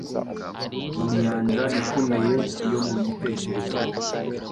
mu nyanja ikomeye yo mu gitekerezo